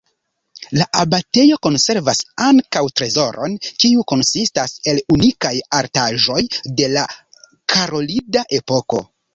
La abatejo konservas ankaŭ trezoron kiu konsistas el unikaj artaĵoj de la karolida epoko.